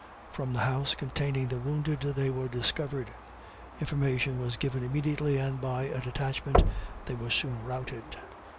From the house containing the wounded, they were discovered. Information was given immediately, and by a detachment they were soon routed.